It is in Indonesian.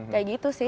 kayak gitu sih